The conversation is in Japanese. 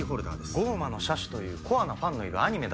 『降魔の射手』というコアなファンのいるアニメだそうです。